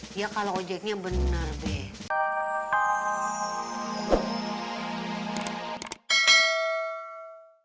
dia kalo ojeknya bener beh